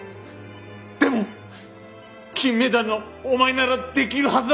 でも金メダルのお前ならできるはずだ！